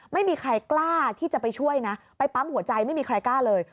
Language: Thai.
ไม่มีใครกล้าที่จะไปช่วยนะไปปั๊มหัวใจไม่มีใครกล้าเลย